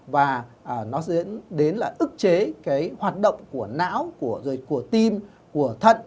và nó sẽ đến là ức chế cái hoạt động của não của tim của thận